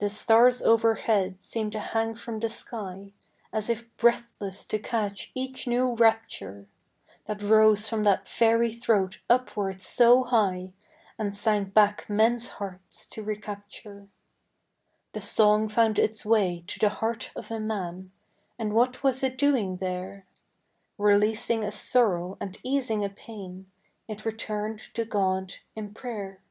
The stars overhead seemed to hang from the sky As if breathless to catch each new rapture, That rose from that fairy throat upward so high, And sank back men's hearts to recapture. The song found its way to the heart of a man, And what was it doing there? Releasing a sorrow and easing a pain, It returned to God in prayer.